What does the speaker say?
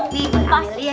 nih gue ambil ya